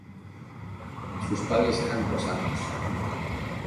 Sus padres eran Cosacos.